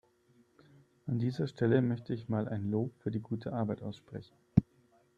An dieser Stelle möchte ich mal ein Lob für die gute Arbeit aussprechen.